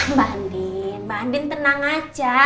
mbak andien tenang aja